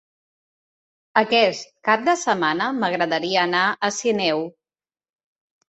Aquest cap de setmana m'agradaria anar a Sineu.